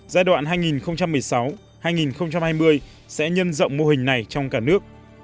giai đoạn hai nghìn một mươi sáu hai nghìn hai mươi sẽ nhân rộng mô hình này trong cả nước